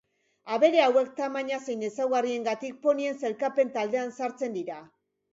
Abere hauek tamaina zein ezaugarriengatik ponien sailkapen taldean sartzen dira.